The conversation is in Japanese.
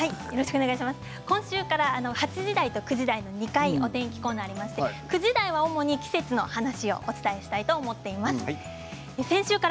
今週から８時台と９時台の２回お天気コーナーがありますが９時台は主に季節の話をお伝えしたいと思っています。